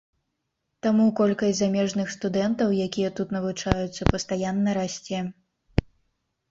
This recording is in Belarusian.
Таму колькасць замежных студэнтаў, якія тут навучаюцца, пастаянна расце.